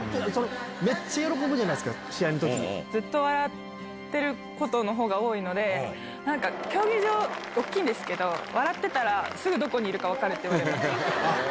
めっちゃ喜ぶじゃないですか、ずっと笑ってることのほうが多いので、競技場大きいんですけど、笑ってたら、すぐどこにいるか分かるって言われます。